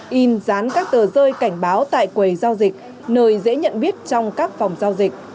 in dán các tờ rơi cảnh báo tại quầy giao dịch nơi dễ nhận biết trong các phòng giao dịch